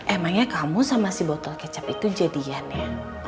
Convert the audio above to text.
emangnya kamu sama si botol kecap itu jadiannya